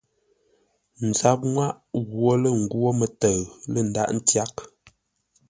Nzap-nŋwâʼ ghwo lə́ nghwó mə́təʉ lə́ ndághʼ ntyághʼ.